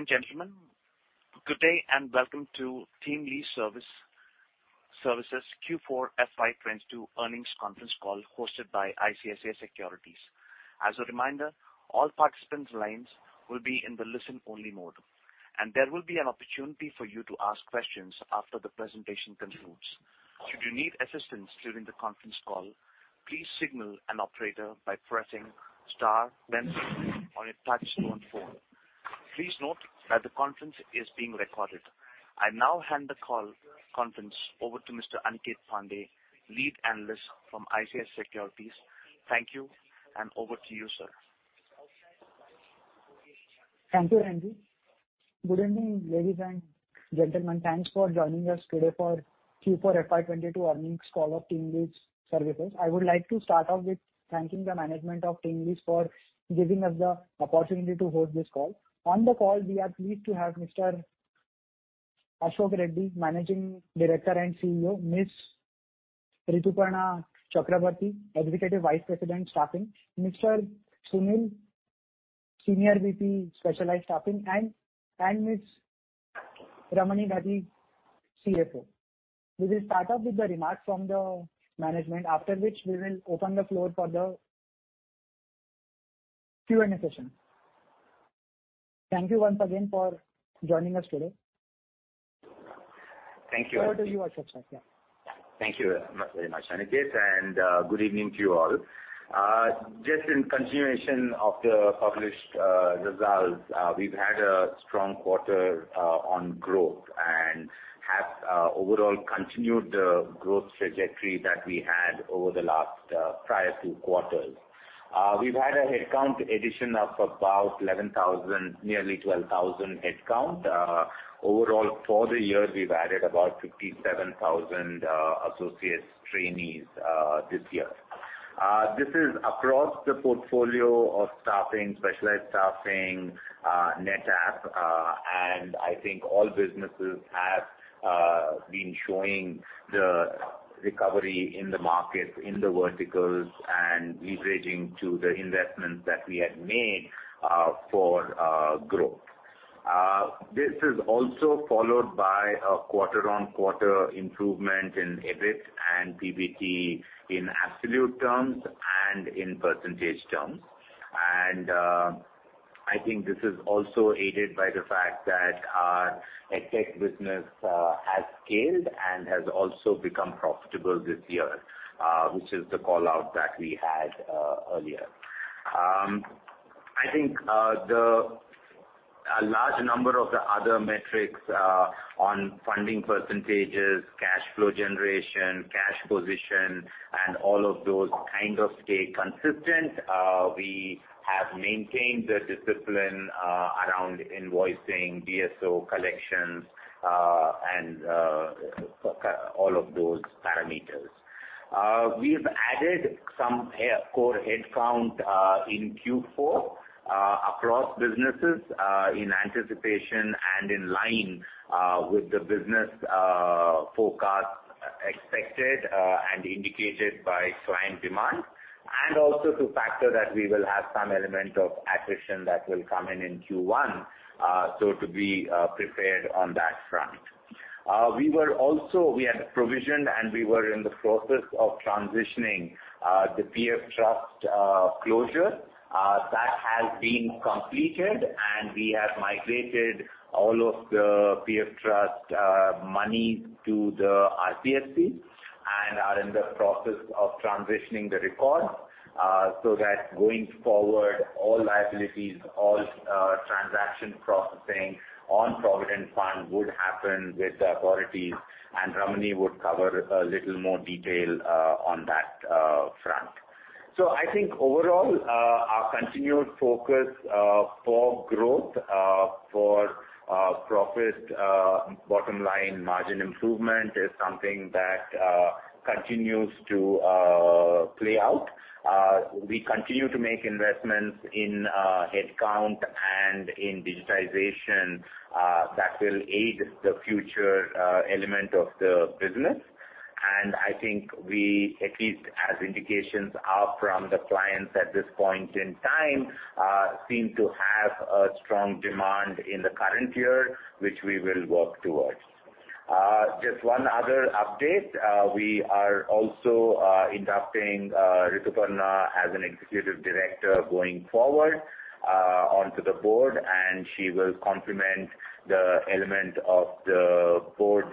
Ladies and gentlemen, good day and welcome to TeamLease Services Q4 FY 2022 earnings conference call hosted by ICICI Securities. As a reminder, all participants' lines will be in the listen-only mode, and there will be an opportunity for you to ask questions after the presentation concludes. Should you need assistance during the conference call, please signal an operator by pressing star then four on your touchtone phone. Please note that the conference is being recorded. I now hand the conference call over to Mr. Aniket Pande, Lead Analyst from ICICI Securities. Thank you, and over to you, sir. Thank you, Ranjeet. Good evening, ladies and gentlemen. Thanks for joining us today for Q4 FY 2022 earnings call of TeamLease Services. I would like to start off with thanking the management of TeamLease for giving us the opportunity to host this call. On the call, we are pleased to have Mr. Ashok Reddy, Managing Director and CEO, Ms. Rituparna Chakraborty, Executive Vice President, Staffing, Mr. Sunil, Senior VP, Specialized Staffing, and Ms. Ramani Dathi, CFO. We will start off with the remarks from the management, after which we will open the floor for the Q&A session. Thank you once again for joining us today. Thank you. Over to you, Ashok, sir. Yeah. Thank you, very much, Aniket, and, good evening to you all. Just in continuation of the published results, we've had a strong quarter on growth and have overall continued the growth trajectory that we had over the last prior two quarters. We've had a headcount addition of about 11,000, nearly 12,000 headcount. Overall for the year, we've added about 57,000 associates trainees this year. This is across the portfolio of staffing, specialized staffing, NETAP, and I think all businesses have been showing the recovery in the markets, in the verticals and leveraging to the investments that we had made for growth. This is also followed by a quarter-on-quarter improvement in EBIT and PBT in absolute terms and in percentage terms. I think this is also aided by the fact that our EdTech business has scaled and has also become profitable this year, which is the call-out that we had earlier. I think A large number of the other metrics on funding percentages, cash flow generation, cash position, and all of those kind of stay consistent. We have maintained the discipline around invoicing, DSO collections, and all of those parameters. We've added some core headcount in Q4 across businesses in anticipation and in line with the business forecast expected and indicated by client demand, and also to factor that we will have some element of attrition that will come in in Q1, so to be prepared on that front. We had provisioned, and we were in the process of transitioning, the PF trust closure. That has been completed, and we have migrated all of the PF trust money to the RPFC and are in the process of transitioning the records, so that going forward, all liabilities, all transaction processing on Provident Fund would happen with the authorities, and Ramani would cover a little more detail on that front. I think overall, our continued focus for growth, for profit, bottom-line margin improvement is something that continues to play out. We continue to make investments in headcount and in digitization that will aid the future element of the business. I think we, at least as indications are from the clients at this point in time, seem to have a strong demand in the current year, which we will work towards. Just one other update. We are also inducting Rituparna as an Executive Director going forward onto the board, and she will complement the element of the board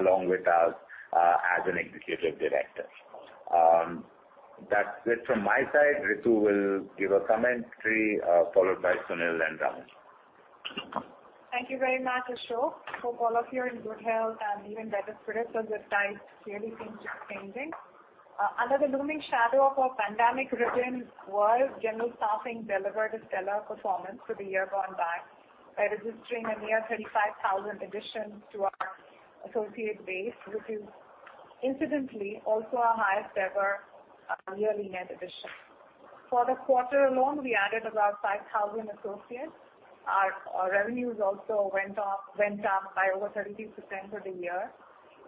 along with us as an Executive Director. That's it from my side. Ritu will give a commentary, followed by Sunil and Ramani. Thank you very much, Ashok. Hope all of you are in good health and even better spirits as the tides clearly seem to be changing. Under the looming shadow of a pandemic-ridden world, General Staffing delivered a stellar performance for the year gone by registering a near 35,000 addition to our associate base, which is incidentally also our highest-ever yearly net addition. For the quarter alone, we added about 5,000 associates. Our revenues also went up by over 32% for the year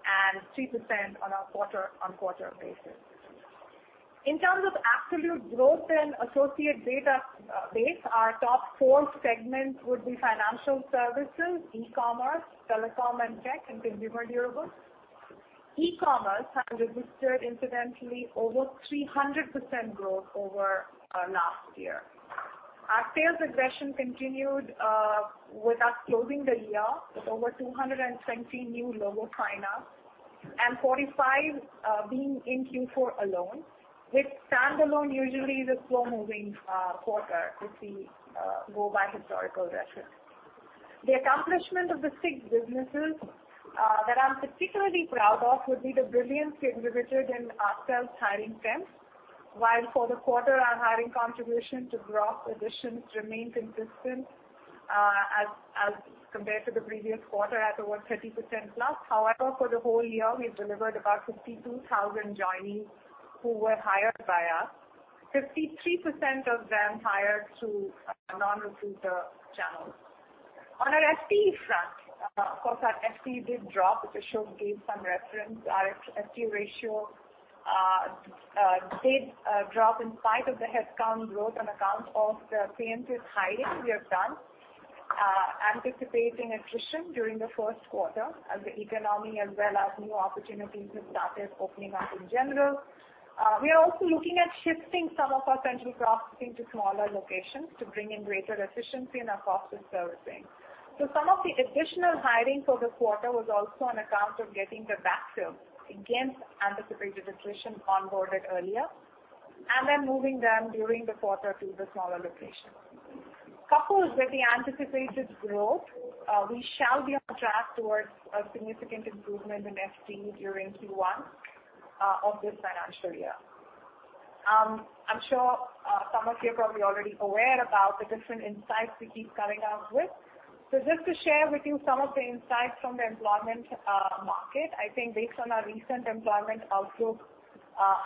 and 3% on a quarter-on-quarter basis. In terms of absolute growth and associate base, our top four segments would be financial services, e-commerce, telecom and tech, and consumer durables. E-commerce has registered incidentally over 300% growth over last year. Our sales aggression continued, with us closing the year with over 220 new logo sign-ups and 45 being in Q4 alone, which standalone usually is a slow-moving quarter if we go by historical reference. The accomplishment of the six businesses that I'm particularly proud of would be the brilliance we exhibited in our sales hiring temps, while for the quarter our hiring contribution to gross additions remained consistent, as compared to the previous quarter at over 30%+. However, for the whole year, we've delivered about 52,000 joinees who were hired by us. 53% of them hired through our non-recruiter channels. On our FTE front, of course our FTE did drop, which Ashok gave some reference. Our FTE ratio did drop in spite of the headcount growth on account of the preemptive hiring we have done, anticipating attrition during the first quarter as the economy as well as new opportunities have started opening up in general. We are also looking at shifting some of our central processing to smaller locations to bring in greater efficiency in our cost of servicing. Some of the additional hiring for this quarter was also on account of getting the backfill against anticipated attrition onboarded earlier, and then moving them during the quarter to the smaller locations. Coupled with the anticipated growth, we shall be on track towards a significant improvement in FTE during Q1 of this financial year. I'm sure some of you are probably already aware about the different insights we keep coming out with. Just to share with you some of the insights from the employment market, I think based on our recent employment outlook,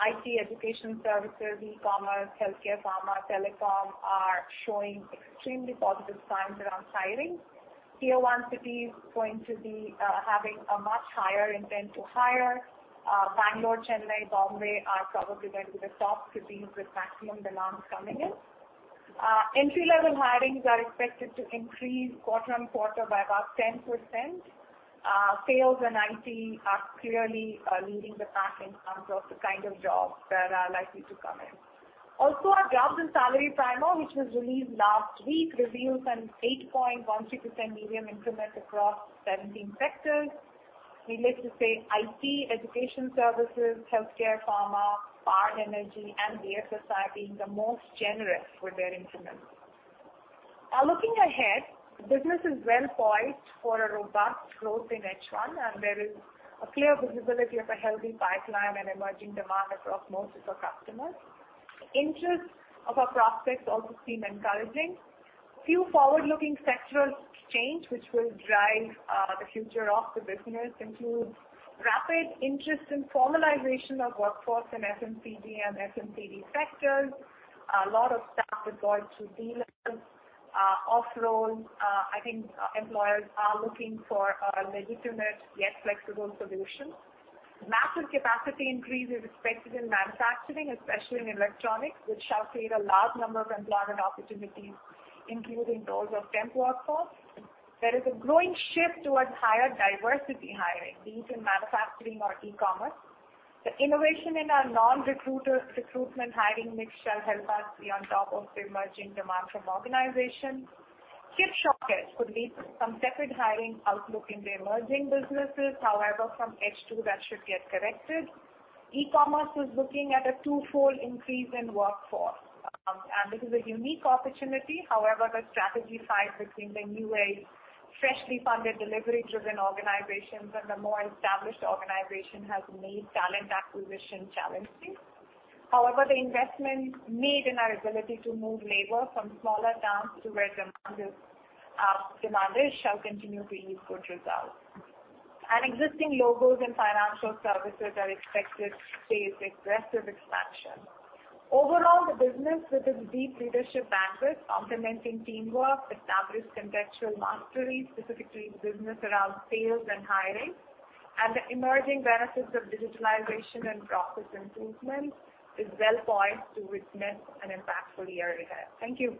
IT, education services, e-commerce, healthcare, pharma, telecom are showing extremely positive signs around hiring. Tier 1 cities going to be having a much higher intent to hire. Bangalore, Chennai, Bombay are probably going to be the top cities with maximum demands coming in. Entry-level hirings are expected to increase quarter-on-quarter by about 10%. Sales and IT are clearly leading the pack in terms of the kind of jobs that are likely to come in. Also, our jobs and salary primer, which was released last week, reveals an 8.16% median increment across 17 sectors. Needless to say, IT, education services, healthcare, pharma, oil and energy, and BFSI being the most generous with their increments. Now looking ahead, the business is well poised for a robust growth in H1, and there is a clear visibility of a healthy pipeline and emerging demand across most of our customers. The interest of our prospects also seem encouraging. Few forward-looking sectoral change which will drive the future of the business includes rapid interest in formalization of workforce in FMCG and F&B sectors. A lot of staff with going through dealers, off-role. I think employers are looking for a legitimate yet flexible solution. Massive capacity increase is expected in manufacturing, especially in electronics, which shall create a large number of employment opportunities, including those of temp workforce. There is a growing shift towards higher diversity hiring, be it in manufacturing or e-commerce. The innovation in our non-recruiter recruitment hiring mix shall help us be on top of the emerging demand from organizations. Geopolitical headwinds could lead to some tepid hiring outlook in the emerging businesses. However, from H2 that should get corrected. E-commerce is looking at a twofold increase in workforce. This is a unique opportunity. However, the strategy fight between the new age, freshly funded, delivery-driven organizations and the more established organization has made talent acquisition challenging. However, the investment made in our ability to move labor from smaller towns to where demand is shall continue to yield good results. Existing logos and financial services are expected to face aggressive expansion. Overall, the business with its deep leadership bandwidth complementing teamwork, established contextual mastery, specifically in business around sales and hiring, and the emerging benefits of digitalization and process improvement, is well poised to witness an impactful year ahead. Thank you.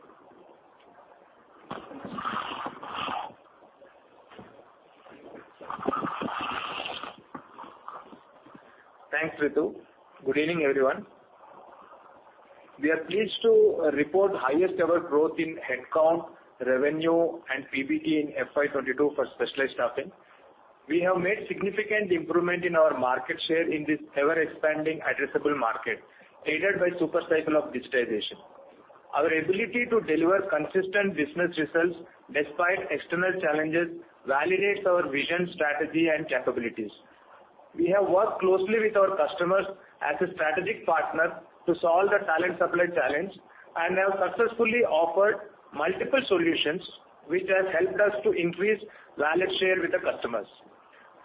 Thanks, Ritu. Good evening, everyone. We are pleased to report highest ever growth in headcount, revenue and PBT in FY 2022 for Specialized Staffing. We have made significant improvement in our market share in this ever-expanding addressable market, aided by super cycle of digitization. Our ability to deliver consistent business results despite external challenges validates our vision, strategy and capabilities. We have worked closely with our customers as a strategic partner to solve the talent supply challenge and have successfully offered multiple solutions which has helped us to increase wallet share with the customers.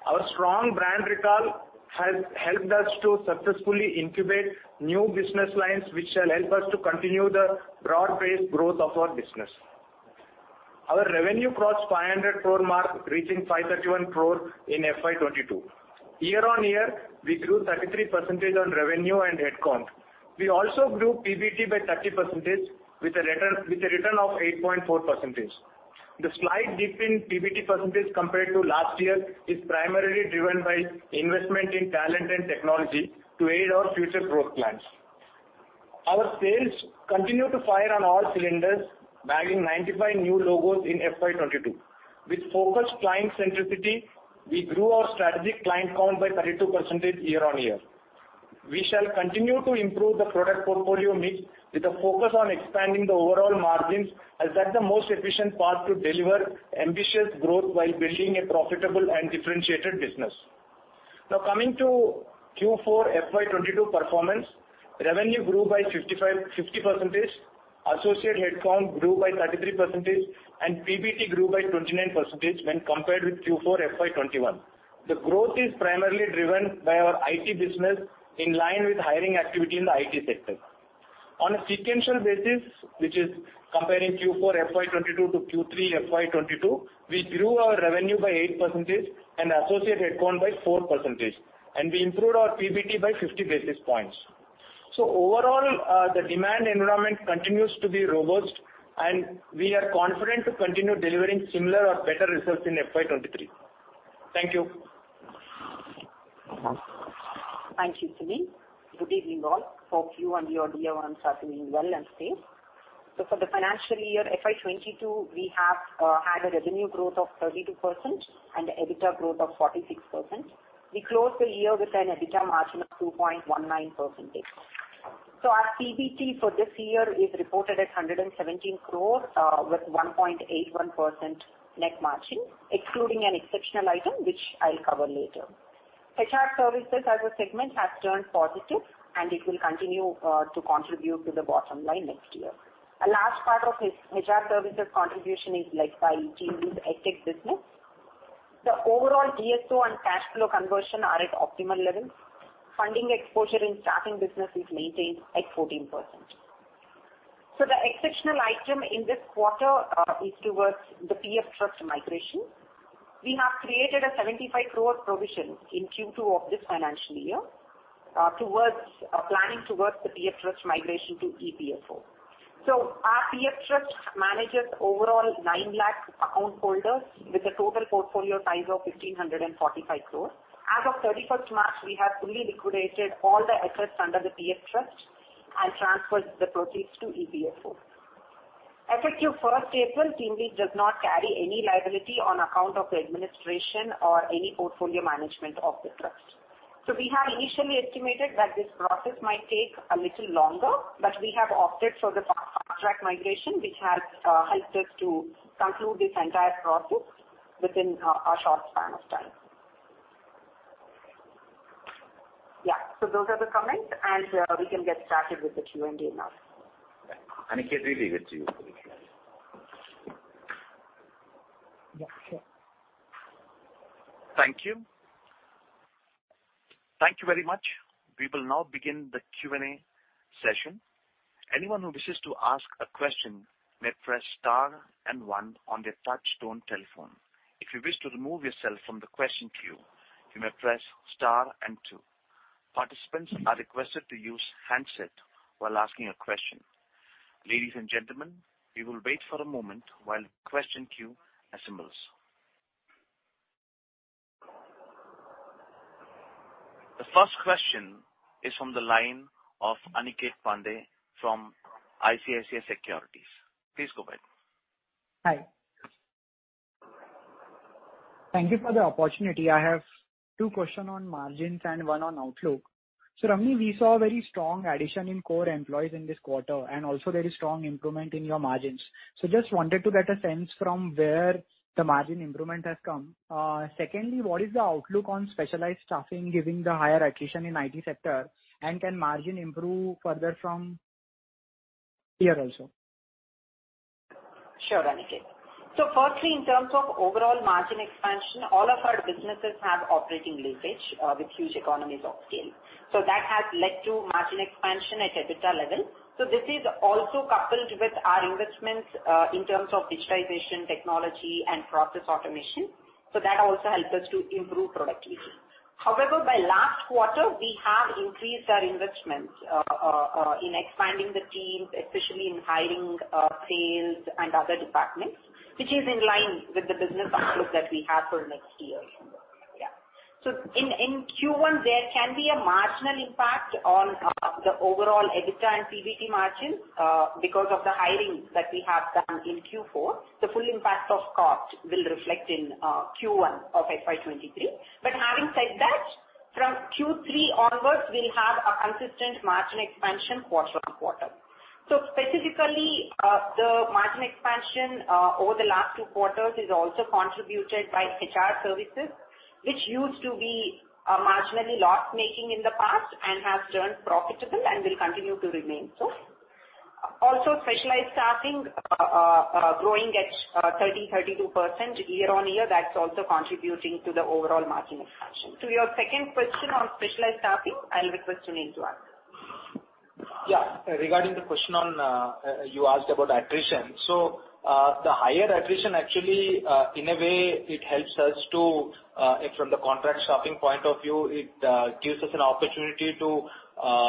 Our strong brand recall has helped us to successfully incubate new business lines which shall help us to continue the broad-based growth of our business. Our revenue crossed 500 crores mark, reaching 531 crores in FY 2022. Year-on-year, we grew 33% on revenue and headcount. We also grew PBT by 30% with a return of 8.4%. The slight dip in PBT percentage compared to last year is primarily driven by investment in talent and technology to aid our future growth plans. Our sales continue to fire on all cylinders, bagging 95 new logos in FY 2022. With focused client centricity, we grew our strategic client count by 32% year on year. We shall continue to improve the product portfolio mix with a focus on expanding the overall margins, as that's the most efficient path to deliver ambitious growth while building a profitable and differentiated business. Now coming to Q4 FY 2022 performance. Revenue grew by 50%. Associate headcount grew by 33%, and PBT grew by 29% when compared with Q4 FY 2021. The growth is primarily driven by our IT business in line with hiring activity in the IT sector. On a sequential basis, which is comparing Q4 FY 2022 to Q3 FY 2022, we grew our revenue by 8% and associate headcount by 4%, and we improved our PBT by 50 basis points. Overall, the demand environment continues to be robust and we are confident to continue delivering similar or better results in FY 2023. Thank you. Thank you, Sunil. Good evening all. Hope you and your dear ones are doing well and safe. For the financial year FY 2022, we have had a revenue growth of 32% and EBITDA growth of 46%. We closed the year with an EBITDA margin of 2.19%. Our PBT for this year is reported at 117 crores with 1.81% net margin, excluding an exceptional item, which I'll cover later. HR services as a segment has turned positive and it will continue to contribute to the bottom line next year. A large part of HR services contribution is led by TeamLease EdTech business. The overall DSO and cash flow conversion are at optimal levels. Funding exposure in staffing business is maintained at 14%. The exceptional item in this quarter is towards the PF trust migration. We have created an 75 crores provision in Q2 of this financial year towards planning towards the PF trust migration to EPFO. Our PF trust manages overall 9 lakh account holders with a total portfolio size of 1,545 crores. As of 31st March, we have fully liquidated all the assets under the PF trust and transferred the proceeds to EPFO. Effective 1st April, TeamLease does not carry any liability on account of the administration or any portfolio management of the trust. We had initially estimated that this process might take a little longer, but we have opted for the fast track migration, which has helped us to conclude this entire process within a short span of time. Those are the comments, and we can get started with the Q&A now. Aniket, we'll give it to you. Yeah, sure. Thank you. Thank you very much. We will now begin the Q&A session. Anyone who wishes to ask a question may press star and one on their touchtone telephone. If you wish to remove yourself from the question queue, you may press star and two. Participants are requested to use handset while asking a question. Ladies and gentlemen, we will wait for a moment while the question queue assembles. The first question is from the line of Aniket Pande from ICICI Securities. Please go ahead. Hi. Thank you for the opportunity. I have two questions on margins and one on outlook. Ramani, we saw very strong addition in core employees in this quarter and also very strong improvement in your margins. Just wanted to get a sense from where the margin improvement has come. Secondly, what is the outlook on specialized staffing given the higher attrition in IT sector? And can margin improve further from here also? Sure, Aniket. Firstly, in terms of overall margin expansion, all of our businesses have operating leverage with huge economies of scale. That has led to margin expansion at EBITDA level. This is also coupled with our investments in terms of digitization, technology and process automation. That also helps us to improve productivity. However, by last quarter we have increased our investment in expanding the teams, especially in hiring sales and other departments, which is in line with the business outlook that we have for next year. Yeah. In Q1, there can be a marginal impact on the overall EBITDA and PBT margins because of the hiring that we have done in Q4. The full impact of cost will reflect in Q1 of FY 2023. Having said that, from Q3 onwards, we'll have a consistent margin expansion quarter-on-quarter. Specifically, the margin expansion over the last two quarters is also contributed by HR services, which used to be marginally loss-making in the past and has turned profitable and will continue to remain so. Also Specialized Staffing growing at 32% year-on-year. That's also contributing to the overall margin expansion. To your second question on Specialized Staffing, I'll request Sunil to answer. Yeah. Regarding the question on, you asked about attrition. The higher attrition actually, in a way it helps us to, from the contract staffing point of view, it gives us an opportunity to,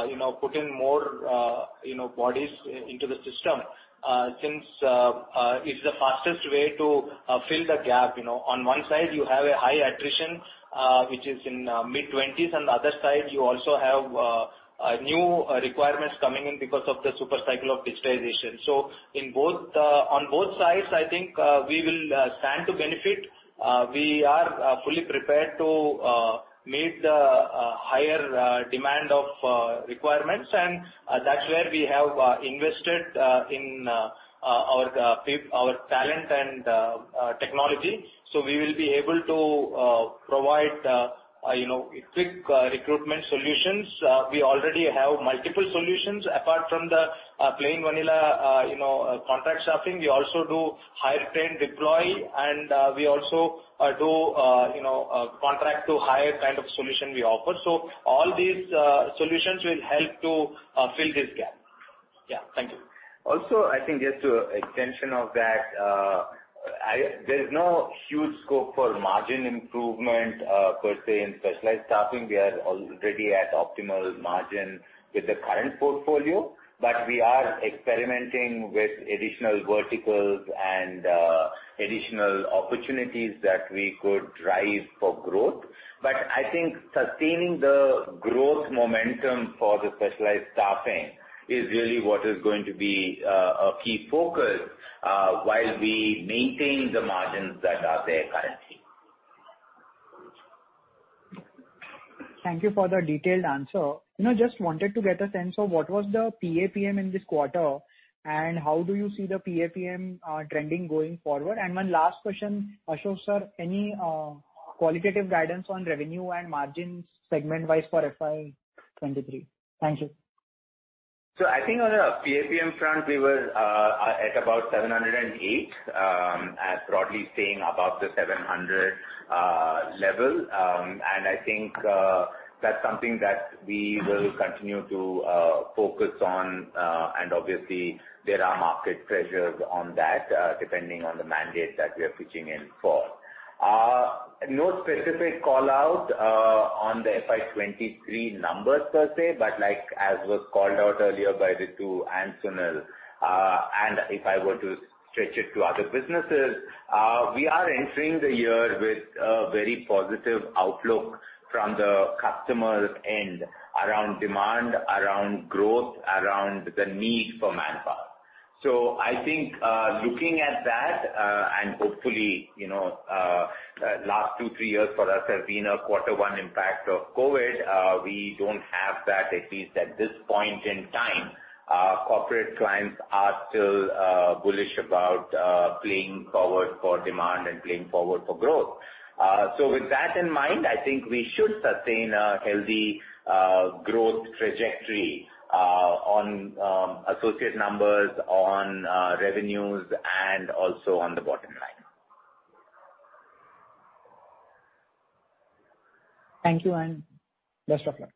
you know, put in more, you know, bodies into the system, since, it's the fastest way to, fill the gap, you know. On one side you have a high attrition, which is in, mid-20s%, and the other side you also have, a new requirements coming in because of the super cycle of digitization. In both, on both sides, I think, we will, stand to benefit. We are, fully prepared to, meet the, higher, demand of, requirements. That's where we have invested in our talent and technology. We will be able to provide you know quick recruitment solutions. We already have multiple solutions apart from the plain vanilla you know contract staffing. We also do hire, train, deploy, and we also do you know contract to hire kind of solution we offer. All these solutions will help to fill this gap. Yeah. Thank you. I think just an extension of that. There is no huge scope for margin improvement, per se, in Specialized Staffing. We are already at optimal margin with the current portfolio. We are experimenting with additional verticals and additional opportunities that we could drive for growth. I think sustaining the growth momentum for the Specialized Staffing is really what is going to be a key focus while we maintain the margins that are there currently. Thank you for the detailed answer. You know, just wanted to get a sense of what was the PAPM in this quarter and how do you see the PAPM trending going forward? One last question, Ashok, sir. Any qualitative guidance on revenue and margins segment-wise for FY 2023? Thank you. I think on a PAPM front, we were at about 708 as broadly staying above the 700 level. I think that's something that we will continue to focus on. Obviously there are market pressures on that depending on the mandate that we are pitching in for. No specific call-out on the FY 2023 numbers per se, but like as was called out earlier by Ritu and Sunil, and if I were to stretch it to other businesses, we are entering the year with a very positive outlook from the customer's end around demand, around growth, around the need for manpower. I think looking at that and hopefully, you know, last two, three years for us have been a quarter one impact of COVID. We don't have that, at least at this point in time. Corporate clients are still bullish about playing forward for demand and playing forward for growth. With that in mind, I think we should sustain a healthy growth trajectory on associate numbers, on revenues, and also on the bottom line. Thank you and best of luck.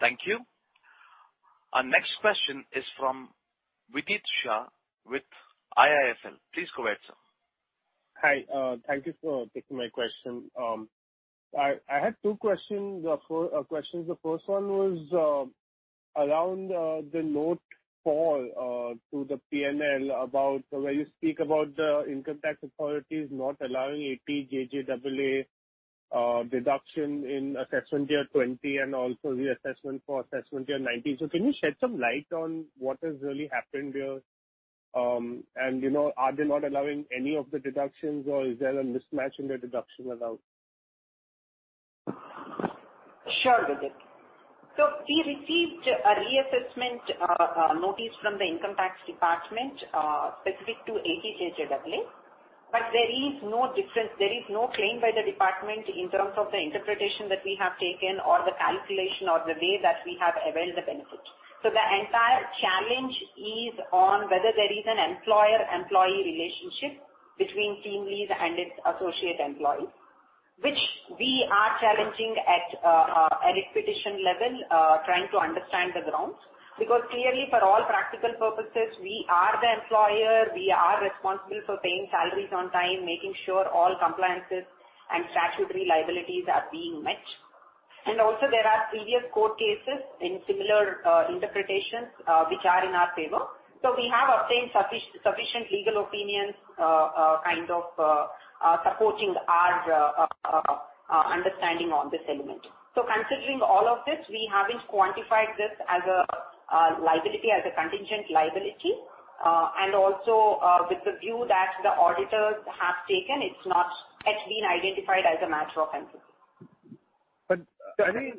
Thank you. Thank you. Our next question is from Vidit Shah with IIFL. Please go ahead, sir. Hi, thank you for taking my question. I had two questions. The first one was around the note fall to the P&L about where you speak about the income tax authorities not allowing 80JJAA deduction in assessment year 2020 and also reassessment for assessment year 2019. Can you shed some light on what has really happened there? And, you know, are they not allowing any of the deductions or is there a mismatch in the deduction allowed? Sure, Vidit. We received a reassessment notice from the income tax department specific to 80JJAA. There is no difference. There is no claim by the department in terms of the interpretation that we have taken or the calculation or the way that we have availed the benefit. The entire challenge is on whether there is an employer-employee relationship between TeamLease and its associate employee, which we are challenging at a requisition level, trying to understand the grounds. Because clearly, for all practical purposes, we are the employer, we are responsible for paying salaries on time, making sure all compliances and statutory liabilities are being met. Also there are previous court cases in similar interpretations, which are in our favor. We have obtained sufficient legal opinions, kind of, supporting our understanding on this element. Considering all of this, we haven't quantified this as a liability, as a contingent liability. Also, with the view that the auditors have taken, it's not. It's been identified as a natural benefit. I think.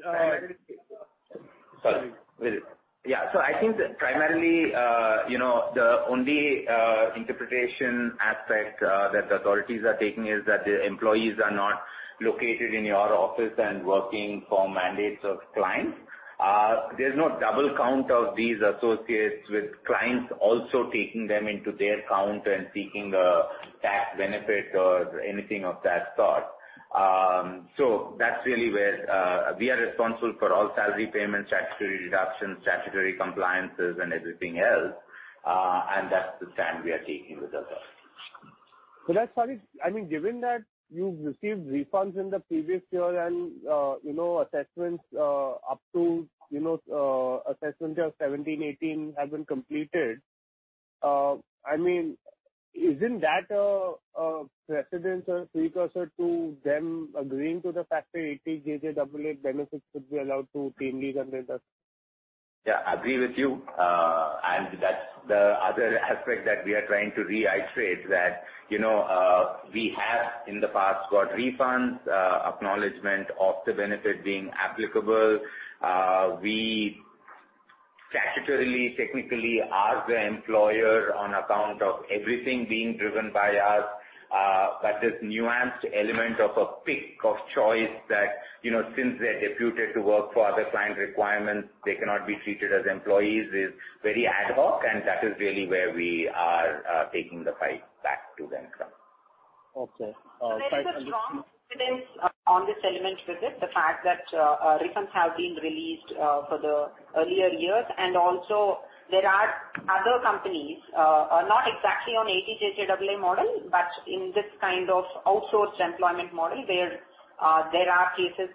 Sorry. Vidit. Yeah. I think that primarily, you know, the only interpretation aspect that the authorities are taking is that the employees are not located in your office and working for mandates of clients. There's no double count of these associates with clients also taking them into their count and seeking a tax benefit or anything of that sort. That's really where we are responsible for all salary payments, statutory deductions, statutory compliances, and everything else, and that's the stand we are taking with the authorities. That's fine. I mean, given that you've received refunds in the previous year and assessments up to assessment year 2017, 2018 have been completed. I mean, isn't that a precedent or precursor to them agreeing to the fact that 80JJAA benefits should be allowed to TeamLease and the others? Yeah, I agree with you. That's the other aspect that we are trying to reiterate that, you know, we have in the past got refunds, acknowledgment of the benefit being applicable. We statutorily, technically, are the employer on account of everything being driven by us. This nuanced element of a pick of choice that, you know, since they're deputed to work for other client requirements, they cannot be treated as employees is very ad hoc, and that is really where we are taking the fight back to them from. Okay. There is a strong precedent on this element with this. The fact that refunds have been released for the earlier years, and also there are other companies not exactly on 80JJAA model, but in this kind of outsourced employment model, where there are cases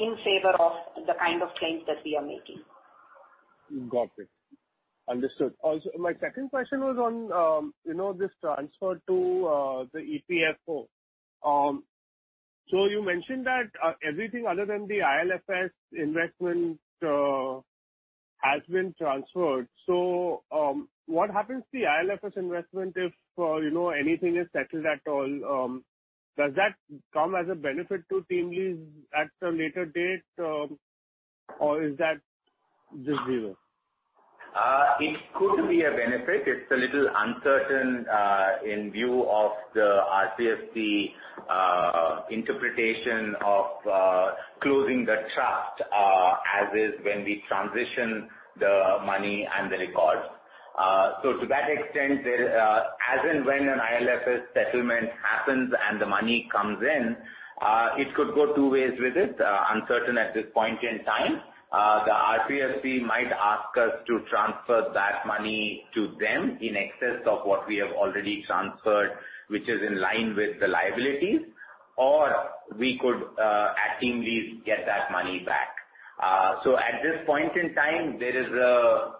in favor of the kind of claims that we are making. Got it. Understood. Also, my second question was on, you know, this transfer to the EPF. You mentioned that everything other than the IL&FS investment has been transferred. What happens to the IL&FS investment if, you know, anything is settled at all? Does that come as a benefit to TeamLease at a later date, or is that just zero? It could be a benefit. It's a little uncertain in view of the RPFC interpretation of closing the trust as is when we transition the money and the records. To that extent, as and when an IL&FS settlement happens and the money comes in, it could go two ways with it, uncertain at this point in time. The RPFC might ask us to transfer that money to them in excess of what we have already transferred, which is in line with the liabilities, or we could at TeamLease get that money back. At this point in time, there is a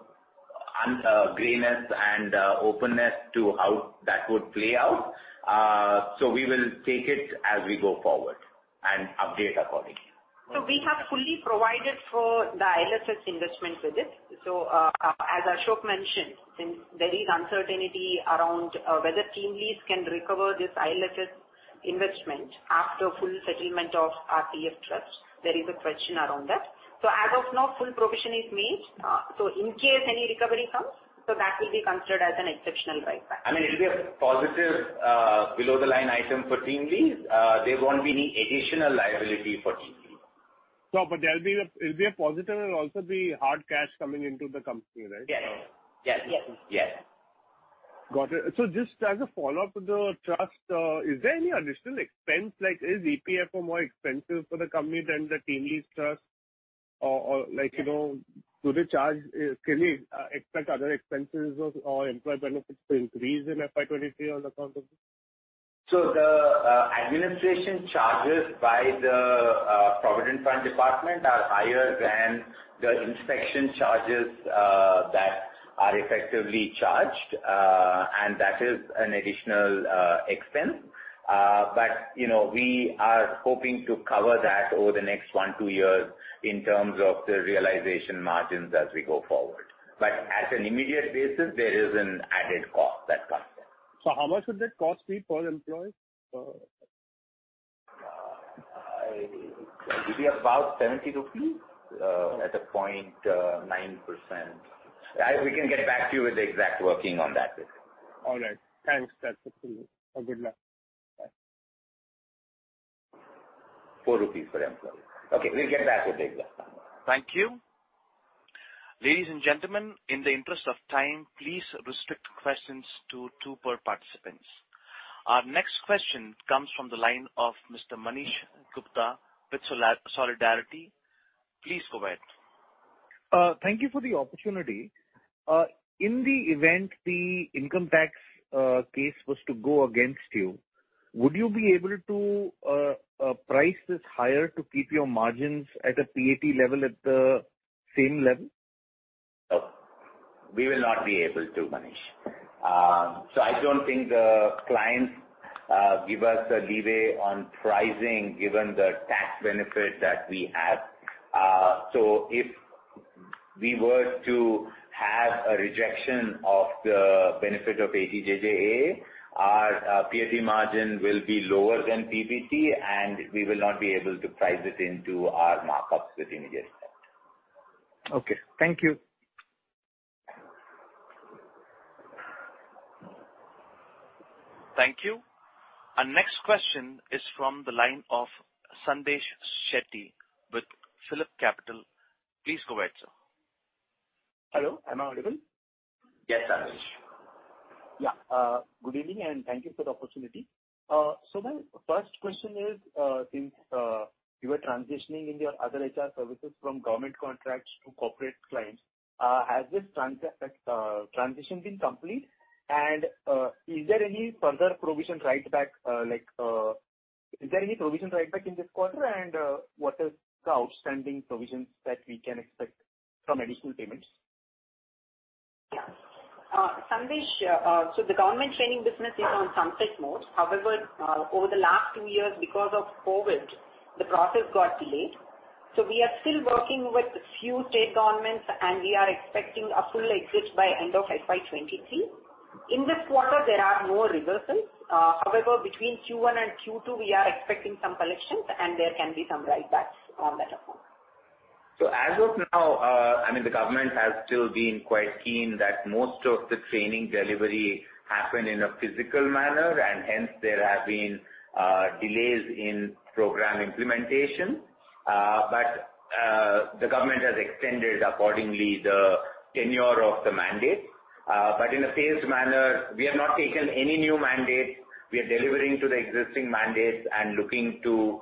grayness and openness to how that would play out. We will take it as we go forward and update accordingly. We have fully provided for the IL&FS investment with it. As Ashok mentioned, since there is uncertainty around whether TeamLease can recover this IL&FS investment after full settlement of PF trust, there is a question around that. As of now, full provision is made. In case any recovery comes, that will be considered as an exceptional write back. I mean, it'll be a positive, below-the-line item for TeamLease. There won't be any additional liability for TeamLease. No, but it'll be a positive and also be hard cash coming into the company, right? Yes. Yes. Yes. Yes. Got it. Just as a follow-up to the trust, is there any additional expense? Like is EPF more expensive for the company than the TeamLease trust or, like, you know, do they charge, can we expect other expenses or employee benefits to increase in FY 2023 on account of this? The administration charges by the Provident Fund department are higher than the inspection charges that are effectively charged. That is an additional expense. You know, we are hoping to cover that over the next one to two years in terms of the realization margins as we go forward. At an immediate basis, there is an added cost that comes in. How much would that cost be per employee? It will be about INR 70 at 0.9%. We can get back to you with the exact working on that. All right. Thanks. That's absolutely good luck. Bye 4 rupees per employee. Okay. We'll get back with the exact number. Thank you. Ladies and gentlemen, in the interest of time, please restrict questions to two per participant. Our next question comes from the line of Mr. Manish Gupta with Solidarity. Please go ahead. Thank you for the opportunity. In the event the income tax case was to go against you, would you be able to price this higher to keep your margins at a PAT level, at the same level? No. We will not be able to, Manish. I don't think the clients give us a leeway on pricing given the tax benefit that we have. If we were to have a rejection of the benefit of 80JJAA, our PAT margin will be lower than PBT, and we will not be able to price it into our markups with immediate effect. Okay. Thank you. Thank you. Our next question is from the line of Sandesh Shetty with PhillipCapital. Please go ahead, sir. Hello, am I audible? Yes, Sandesh. Yeah. Good evening, and thank you for the opportunity. My first question is, since you were transitioning in your other HR services from government contracts to corporate clients, has this transition been complete? Is there any further provision write back, like, is there any provision write back in this quarter? What is the outstanding provisions that we can expect from additional payments? Yeah. Sandesh, the government training business is on sunset mode. However, over the last two years, because of COVID, the process got delayed. We are still working with few state governments, and we are expecting a full exit by end of FY 2023. In this quarter, there are more reversals. However, between Q1 and Q2, we are expecting some collections and there can be some write backs on that account. As of now, I mean, the government has still been quite keen that most of the training delivery happen in a physical manner, and hence there have been delays in program implementation. The government has extended accordingly the tenure of the mandate. In a phased manner, we have not taken any new mandate. We are delivering to the existing mandates and looking to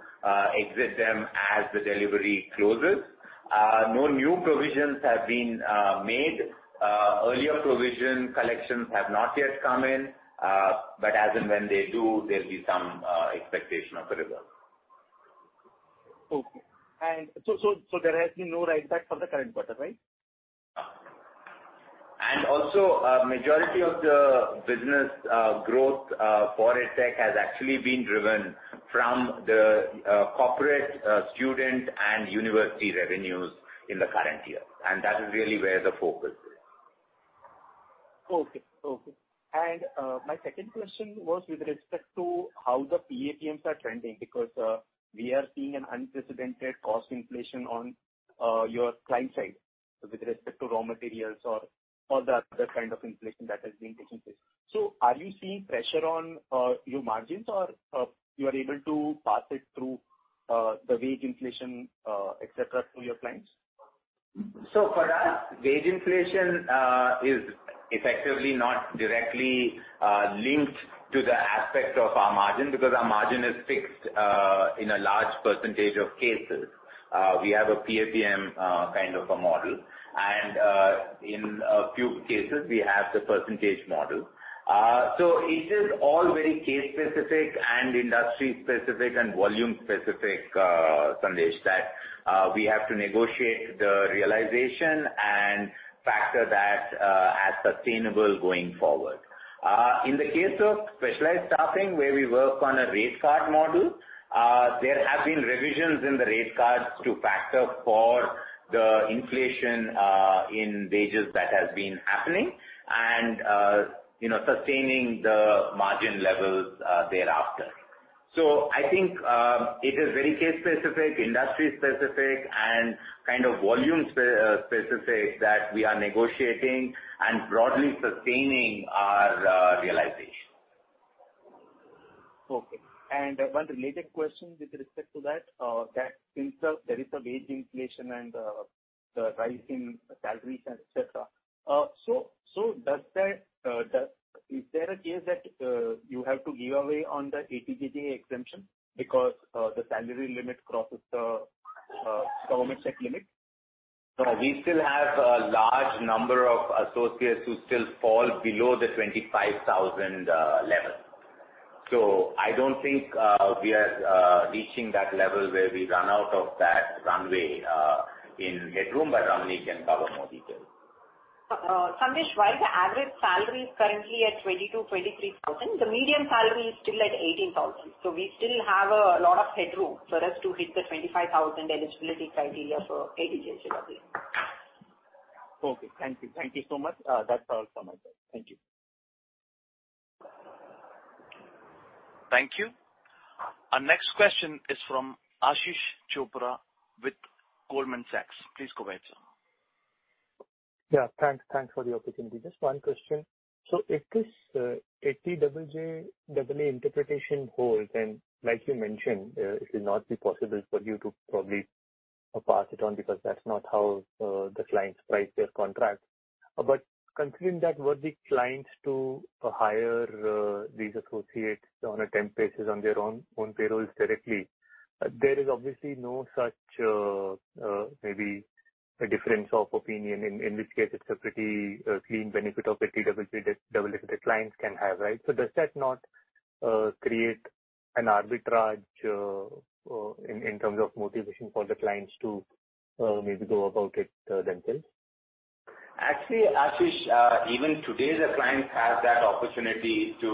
exit them as the delivery closes. No new provisions have been made. Earlier provision collections have not yet come in, but as and when they do, there'll be some expectation of the results. Okay. There has been no write back from the current quarter, right? Majority of the business growth for EdTech has actually been driven from the corporate, student and university revenues in the current year, and that is really where the focus is. Okay. My second question was with respect to how the PAPMs are trending, because we are seeing an unprecedented cost inflation on your client side with respect to raw materials or the other kind of inflation that has been taking place. Are you seeing pressure on your margins or you are able to pass it through the wage inflation, et cetera, to your clients? For us, wage inflation is effectively not directly linked to the aspect of our margin because our margin is fixed in a large percentage of cases. We have a PAPM kind of a model. In a few cases we have the percentage model. It is all very case specific and industry specific and volume specific, Sandesh, that we have to negotiate the realization and factor that as sustainable going forward. In the case of Specialized Staffing where we work on a rate card model, there have been revisions in the rate cards to factor for the inflation in wages that has been happening and, you know, sustaining the margin levels thereafter. I think it is very case specific, industry specific, and kind of volume specific that we are negotiating and broadly sustaining our realization. Okay. One related question with respect to that. That since there is wage inflation and the rise in salaries and et cetera. Is there a case that you have to give away on the 80JJAA exemption because the salary limit crosses the government set limit? No. We still have a large number of associates who still fall below the 25,000 level. I don't think we are reaching that level where we run out of that runway in headroom. Ramani can cover more detail. Sandesh, while the average salary is currently at 22,000-23,000, the median salary is still at 18,000. We still have a lot of headroom for us to hit the 25,000 eligibility criteria for 80JJAA. Okay. Thank you. Thank you so much. That's all from my side. Thank you. Thank you. Our next question is from Ashish Chopra with Goldman Sachs. Please go ahead, sir. Yeah. Thanks. Thanks for the opportunity. Just one question. If this 80JJAA interpretation holds, and like you mentioned, it will not be possible for you to probably pass it on because that's not how the clients price their contracts. Considering that were the clients to hire these associates on a temp basis on their own payrolls directly, there is obviously no such maybe a difference of opinion in which case it's a pretty clean benefit of 80JJAA that the clients can have, right? Does that not create an arbitrage in terms of motivation for the clients to maybe go about it themselves? Actually, Ashish, even today, the clients have that opportunity to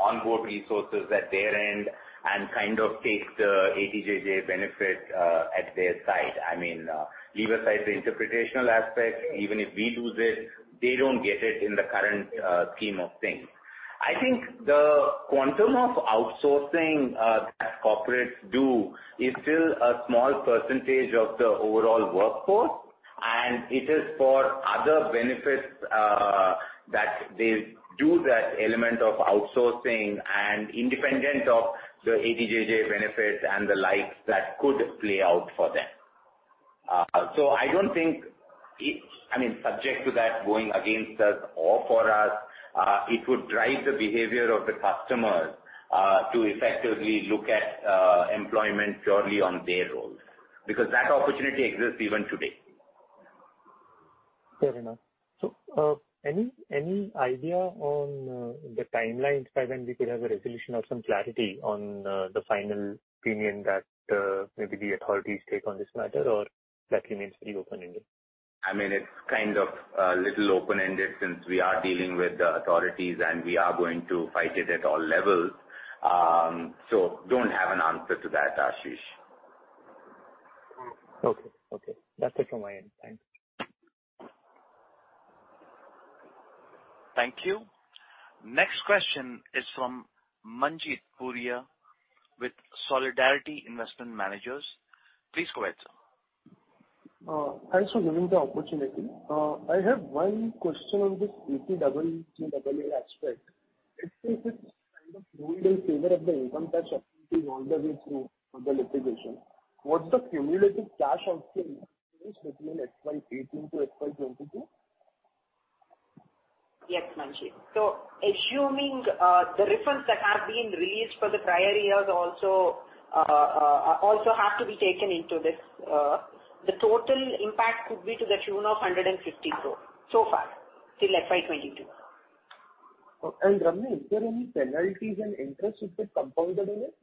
onboard resources at their end and kind of take the 80JJAA benefit at their side. I mean, leave aside the interpretational aspect. Even if we do this, they don't get it in the current scheme of things. I think the quantum of outsourcing that corporates do is still a small percentage of the overall workforce. It is for other benefits that they do that element of outsourcing and independent of the 80JJAA benefits and the likes that could play out for them. I don't think it, I mean, subject to that going against us or for us, it would drive the behavior of the customers to effectively look at employment purely on their roles, because that opportunity exists even today. Fair enough. Any idea on the timelines by when we could have a resolution or some clarity on the final opinion that maybe the authorities take on this matter, or that remains to be open-ended? I mean, it's kind of little open-ended since we are dealing with the authorities and we are going to fight it at all levels. Don't have an answer to that, Ashish. Okay. That's it from my end. Thanks. Thank you. Next question is from Manjeet Buaria with Solidarity Investment Managers. Please go ahead, sir. Thanks for giving the opportunity. I have one question on this 80JJAA aspect. It says it's kind of ruled in favor of the income tax authority on the litigation. What's the cumulative cash out between FY 2018 to FY 2022? Yes, Manjeet. Assuming the refunds that have been released for the prior years also have to be taken into this. The total impact could be to the tune of 150 crores so far, till FY 2022. Ramani, is there any penalties and interest which get compounded in it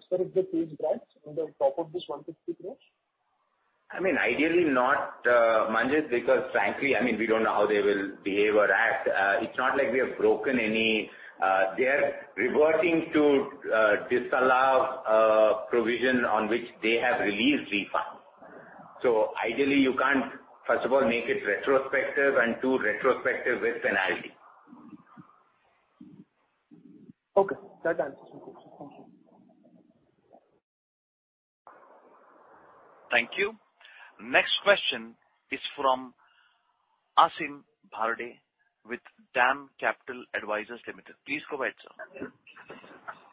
especially if the case drags on top of this 150 crores? I mean, ideally not, Manjeet, because frankly, I mean, we don't know how they will behave or act. It's not like we have broken any. They are reverting to disallow provision on which they have released refunds. Ideally, you can't, first of all, make it retrospective, and two, retrospective with penalty. Okay. That answers my question. Thank you. Thank you. Next question is from Aasim Bharde with DAM Capital Advisors Limited. Please go ahead, sir.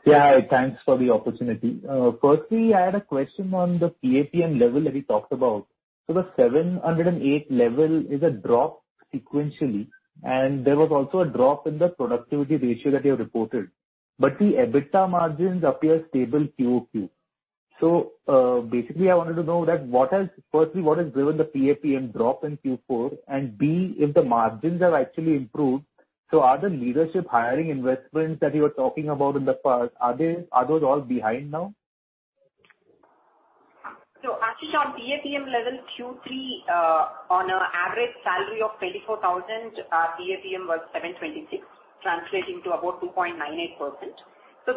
Yeah. Thanks for the opportunity. Firstly, I had a question on the PAPM level that we talked about. The 708 level is a drop sequentially, and there was also a drop in the productivity ratio that you have reported. The EBITDA margins appear stable QOQ. Basically, I wanted to know what has driven the PAPM drop in Q4, and B, if the margins have actually improved, so are the leadership hiring investments that you were talking about in the past, are they, are those all behind now? Aasim, on PAPM level Q3, on an average salary of 24,000, our PAPM was 726, translating to about 2.98%.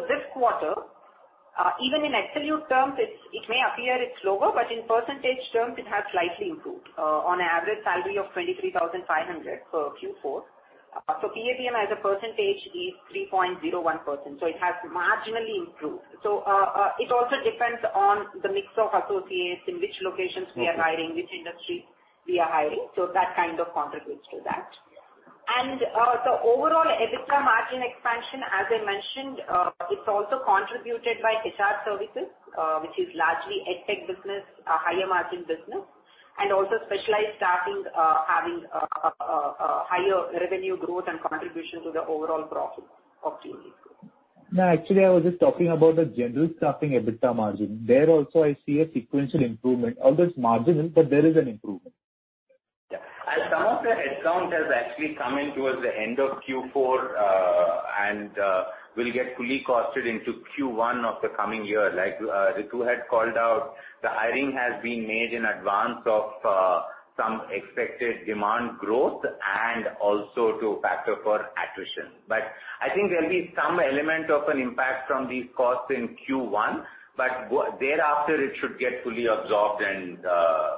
This quarter, even in absolute terms, it may appear it's lower, but in percentage terms it has slightly improved, on average salary of 23,500 for Q4. PAPM as a percentage is 3.01%, it has marginally improved. It also depends on the mix of associates, in which locations we are hiring, which industry we are hiring, that kind of contributes to that. The overall EBITDA margin expansion, as I mentioned, it's also contributed by HR services, which is largely EdTech business, a higher margin business, and also specialized staffing, having higher revenue growth and contribution to the overall profit of TeamLease. No, actually, I was just talking about the General Staffing EBITDA margin. There also I see a sequential improvement. Although it's marginal, but there is an improvement. Yeah. Some of the headcount has actually come in towards the end of Q4, and will get fully costed into Q1 of the coming year. Like, Ritu had called out, the hiring has been made in advance of some expected demand growth and also to factor for attrition. I think there'll be some element of an impact from these costs in Q1, but thereafter, it should get fully absorbed and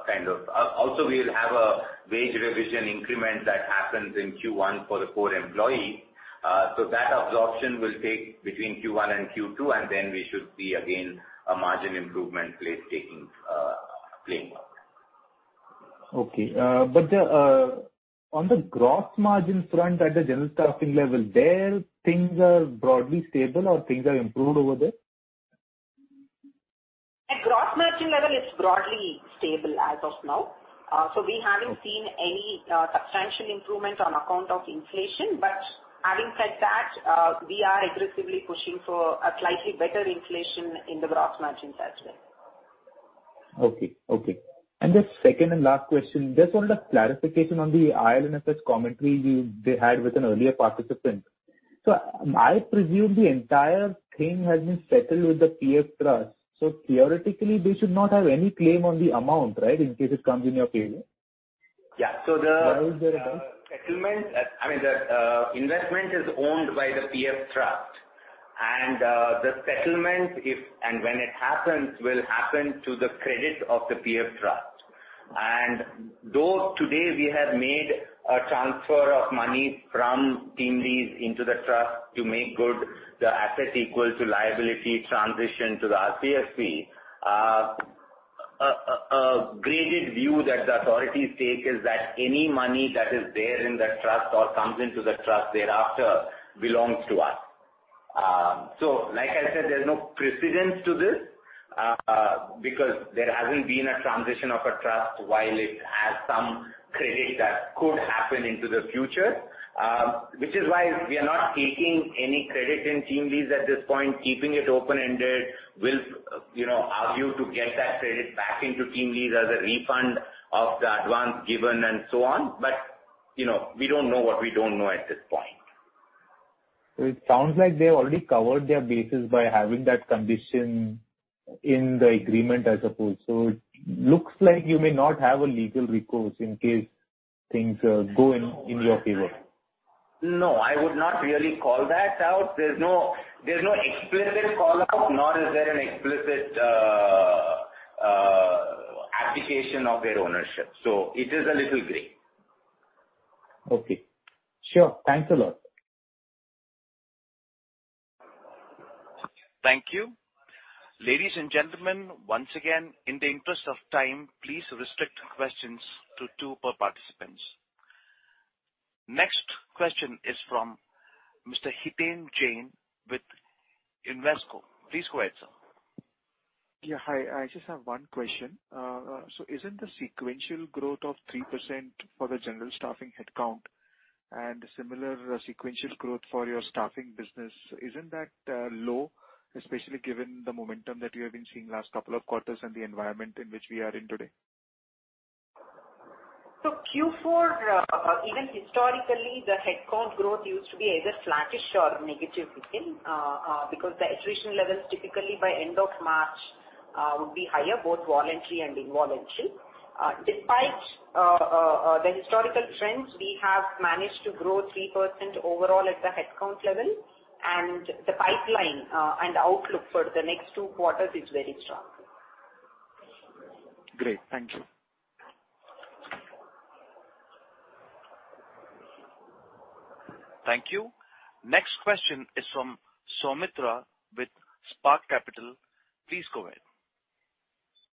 kind of also we'll have a wage revision increment that happens in Q1 for the core employee. That absorption will take between Q1 and Q2, and then we should see again a margin improvement taking place, playing out. Okay. On the gross margin front at the General Staffing level, things are broadly stable or things are improved over there? At gross margin level, it's broadly stable as of now. We haven't seen any substantial improvement on account of inflation. Having said that, we are aggressively pushing for a slightly better inflation in the gross margins as well. Okay. Okay. The second and last question, just wanted a clarification on the IL&FS commentary they had with an earlier participant. I presume the entire thing has been settled with the PF trust. Theoretically, they should not have any claim on the amount, right, in case it comes in your favor? Yeah. Why is there a doubt? The settlement, I mean, the investment is owned by the PF trust. The settlement, if and when it happens, will happen to the credit of the PF trust. Though today we have made a transfer of money from TeamLease into the trust to make good the asset equal to liability transition to the RPFC view that the authorities take is that any money that is there in the trust or comes into the trust thereafter belongs to us. Like I said, there's no precedent to this, because there hasn't been a transition of a trust while it has some credit that could happen into the future, which is why we are not taking any credit in TeamLease at this point, keeping it open-ended. We'll, you know, argue to get that credit back into TeamLease as a refund of the advance given and so on. You know, we don't know what we don't know at this point. It sounds like they've already covered their bases by having that condition in the agreement, I suppose. It looks like you may not have a legal recourse in case things go in your favor. No, I would not really call that out. There's no explicit call-out, nor is there an explicit application of their ownership. It is a little gray. Okay. Sure. Thanks a lot. Thank you. Ladies and gentlemen, once again, in the interest of time, please restrict questions to two per participants. Next question is from Mr. Hiten Jain with Invesco. Please go ahead, sir. Yeah. Hi. I just have one question. Isn't the sequential growth of 3% for the General Staffing headcount and similar sequential growth for your staffing business low, especially given the momentum that you have been seeing last couple of quarters and the environment in which we are in today? Q4, even historically, the headcount growth used to be either flattish or negative, Hiten, because the attrition levels typically by end of March would be higher, both voluntary and involuntary. Despite the historical trends, we have managed to grow 3% overall at the headcount level and the pipeline and outlook for the next two quarters is very strong. Great. Thank you. Thank you. Next question is from Soumitra Chatterjee with Spark Capital. Please go ahead.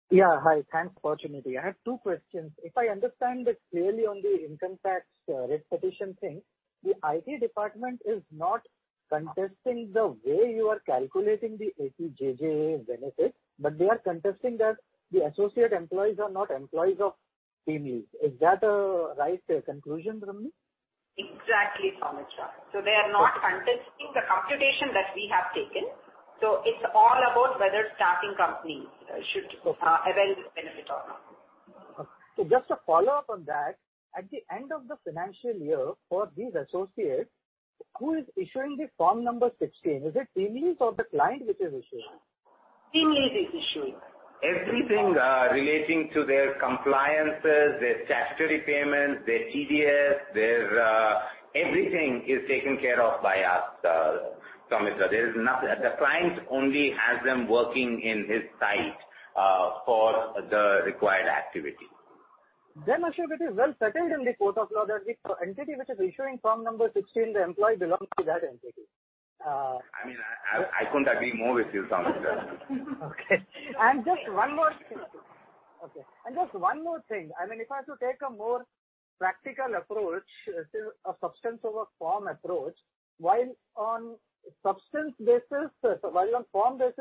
Yeah. Hi. Thanks for the opportunity. I have two questions. If I understand it clearly on the income tax reassessment thing, the IT department is not contesting the way you are calculating the 80JJAA benefit, but they are contesting that the associate employees are not employees of TeamLease. Is that a right conclusion, Ramani? Exactly, Soumitra. They are not contesting the computation that we have taken. It's all about whether staffing company should avail this benefit or not. Just a follow-up on that. At the end of the financial year for these associates, who is issuing the Form 16? Is it TeamLease or the client which is issuing? TeamLease is issuing. Everything relating to their compliances, their statutory payments, their TDS. Everything is taken care of by us, Soumitra. The client only has them working in his site, for the required activity. Ashok, it is well settled in the court of law that the entity which is issuing Form 16, the employee belongs to that entity. I mean, I couldn't agree more with you, Soumitra. Okay. Just one more thing. I mean, if I have to take a more practical approach, a substance over form approach, while on form basis,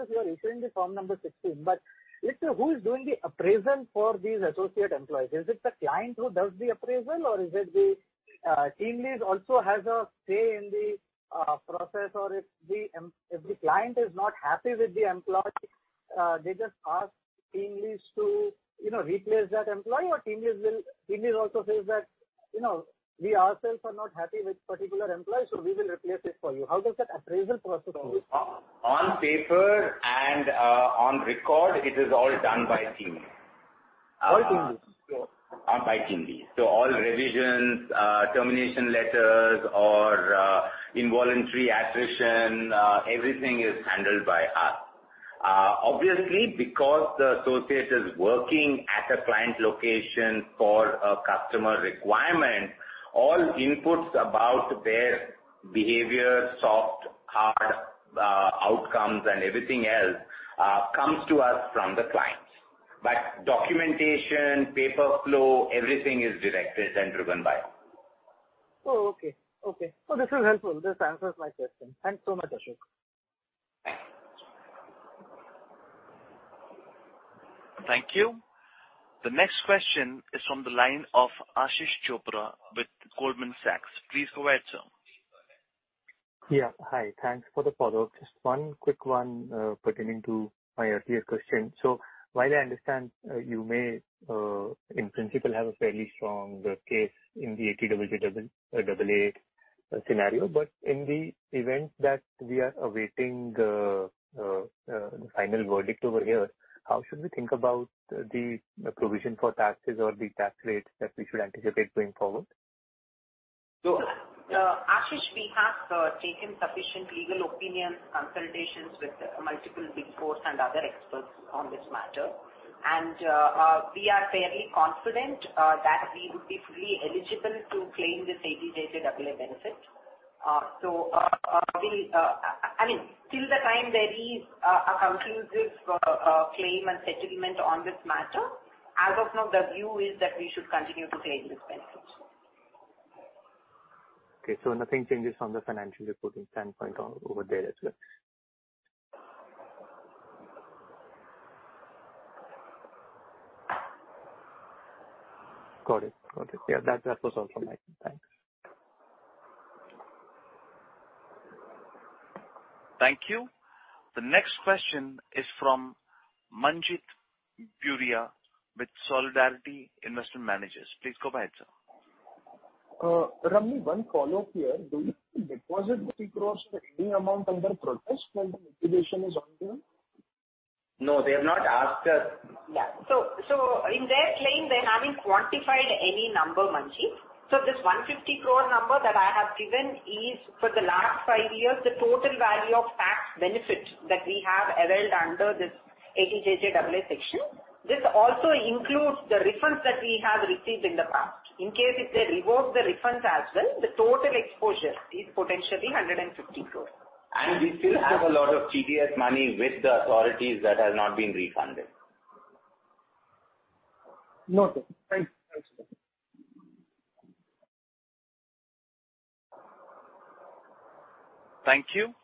you are issuing the Form 16. Let's say, who is doing the appraisal for these associate employees? Is it the client who does the appraisal or is it the TeamLease also has a say in the process? If the client is not happy with the employee, they just ask TeamLease to, you know, replace that employee or TeamLease also says that, you know, "We ourselves are not happy with particular employee, so we will replace it for you." How does that appraisal process go? On paper and on record, it is all done by TeamLease. By TeamLease? By TeamLease. All revisions, termination letters or involuntary attrition, everything is handled by us. Obviously, because the associate is working at a client location for a customer requirement, all inputs about their behavior, soft, hard, outcomes and everything else comes to us from the clients. Documentation, paper flow, everything is directed and driven by us. Oh, okay. Okay. This is helpful. This answers my question. Thanks so much, Ashok. Thank you. Thank you. The next question is from the line of Ashish Chopra with Goldman Sachs. Please go ahead, sir. Yeah. Hi. Thanks for the follow-up. Just one quick one pertaining to my earlier question. While I understand you may in principle have a fairly strong case in the 80JJAA scenario, but in the event that we are awaiting the final verdict over here, how should we think about the provision for taxes or the tax rates that we should anticipate going forward? So- Ashish, we have taken sufficient legal opinion consultations with multiple Big Four and other experts on this matter. We are fairly confident that we would be fully eligible to claim this 80JJAA benefit. I mean, till the time there is a conclusive claim and settlement on this matter, as of now, the view is that we should continue to claim this benefit. Okay. Nothing changes from the financial reporting standpoint over there as well? Got it. Yeah, that was all from my end. Thanks. Thank you. The next question is from Manjeet Buaria with Solidarity Investment Managers. Please go ahead, sir. Ramani, one follow-up here. Do you deposit 50 crores or any amount under protest while the litigation is ongoing? No, they have not asked us. Yeah. In their claim, they haven't quantified any number, Manjeet. This 150 crores number that I have given is for the last five years, the total value of tax benefit that we have availed under this 80JJAA section. This also includes the refunds that we have received in the past. In case if they revoke the refunds as well, the total exposure is potentially 150 crores. We still have a lot of TDS money with the authorities that has not been refunded. Note taken. Thank you. Thanks. Thank you.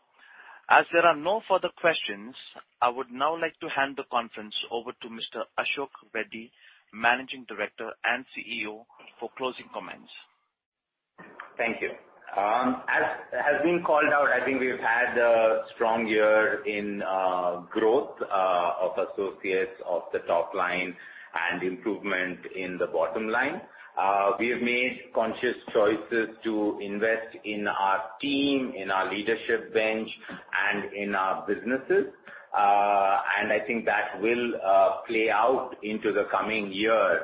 As there are no further questions, I would now like to hand the conference over to Mr. Ashok Reddy, Managing Director and CEO, for closing comments. Thank you. As has been called out, I think we've had a strong year in growth in associates and top line and improvement in the bottom line. We have made conscious choices to invest in our team, in our leadership bench and in our businesses. I think that will play out into the coming year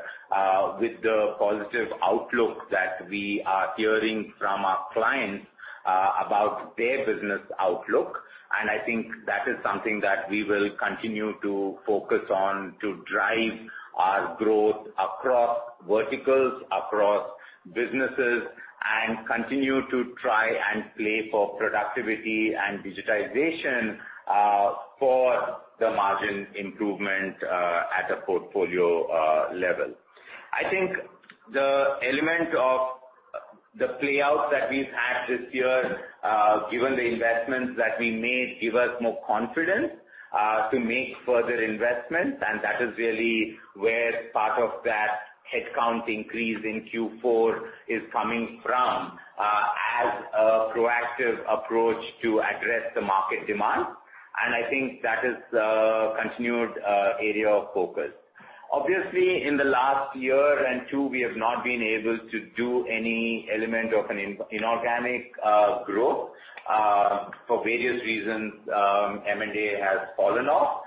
with the positive outlook that we are hearing from our clients about their business outlook. I think that is something that we will continue to focus on to drive our growth across verticals, across businesses, and continue to try and play for productivity and digitization for the margin improvement at a portfolio level. I think the element of the play out that we've had this year, given the investments that we made, give us more confidence to make further investments. That is really where part of that headcount increase in Q4 is coming from, as a proactive approach to address the market demand. I think that is the continued area of focus. Obviously, in the last year or two, we have not been able to do any element of an inorganic growth for various reasons, M&A has fallen off.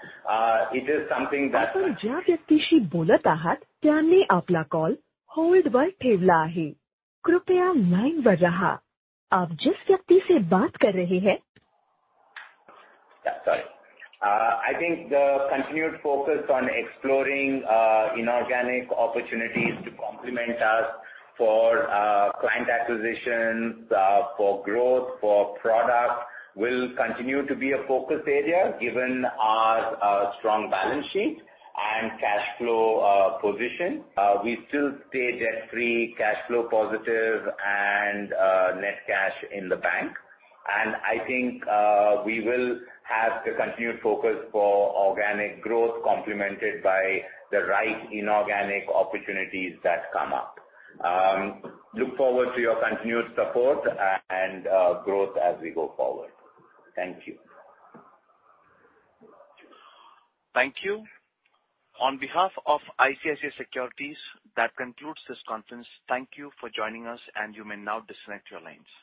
I think the continued focus on exploring inorganic opportunities to complement us for client acquisitions for growth, for product, will continue to be a focus area, given our strong balance sheet and cash flow position. We still stay debt-free, cash flow positive and net cash in the bank. I think we will have the continued focus for organic growth complemented by the right inorganic opportunities that come up. Look forward to your continued support and growth as we go forward. Thank you. Thank you. On behalf of ICICI Securities, that concludes this conference. Thank you for joining us, and you may now disconnect your lines.